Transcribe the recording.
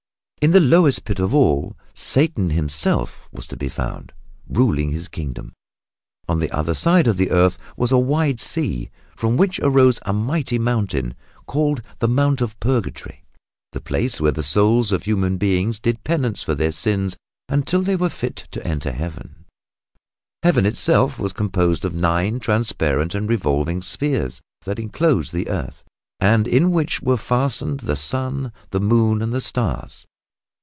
In the lowest pit of all Satan himself was to be found, ruling his kingdom. On the other side of the earth was a wide sea, from which arose a mighty mountain called the Mount of Purgatory the place where the souls of human beings did penance for their sins until they were fit to enter Heaven. Heaven itself was composed of nine transparent and revolving spheres that enclosed the earth, and in which were fastened the sun, the moon and the stars.